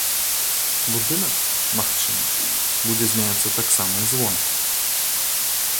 Будынак, магчыма, будзе змяняцца таксама і звонку.